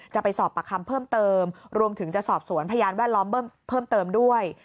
จะไปสอบปากคำเพิ่มเติมรวมถึงจะสอบสวนพยานแวดล้อมเพิ่มเติมด้วย